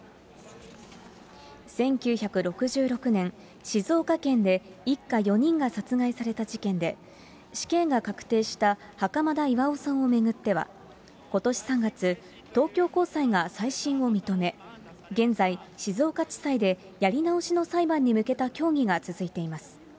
１９６６年、静岡県で一家４人が殺害された事件で、死刑が確定した袴田巌さんを巡っては、ことし３月、東京高裁が再審を認め、現在、静岡地裁でやり直しの裁判に向けた協議が続いています。